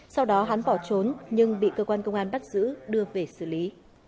sau đó hắn bỏ trốn nhưng bị cơ quan công an bắt giữ đưa về xử lý